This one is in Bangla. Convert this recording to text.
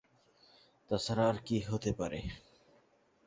তা ছাড়া আর কী হতে পারে?